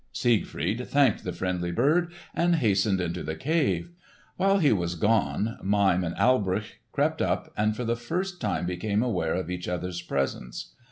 Siegfried thanked the friendly bird, and hastened into the cave. While he was gone, Mime and Alberich crept up and for the first time became aware of each other's presence.